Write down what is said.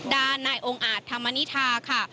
ด้านนายองค์อาจธรรมนิษฐาค่ะ